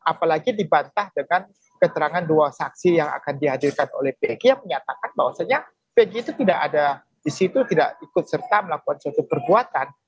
apalagi dibantah dengan keterangan dua saksi yang akan dihadirkan oleh pg yang menyatakan bahwasannya pg itu tidak ada di situ tidak ikut serta melakukan suatu perbuatan